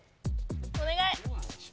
お願い！